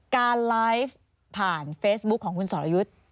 การไลฟ์ผ่านเฟซบุ๊คของคุณสรยุทธ์